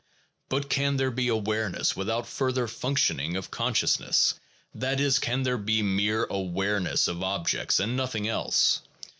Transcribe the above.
But can there be awareness without further functioning of consciousness, that is, can there be mere awareness of objects and nothing else?